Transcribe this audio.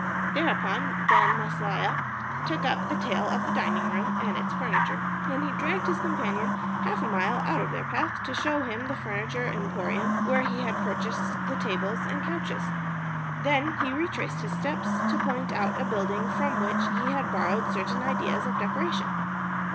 Thereupon Ben Maslia took up the tale of the dining room and its furniture, and he dragged his companion half a mile out of their path to show him the furniture emporium where he had purchased the tables and the couches. Then he retraced his steps to point out a building from which he had borrowed certain ideas of decoration.